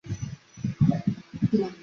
该片以梦境式的叙述呈现。